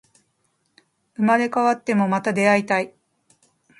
生まれ変わっても、また出会いたい